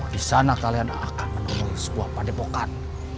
di sana kalian akan menemui sebuah padepokan